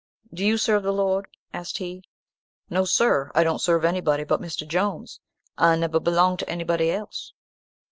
"Do you serve the Lord?" asked he. "No, sir, I don't serve anybody but Mr. Jones. I neber belong to anybody else."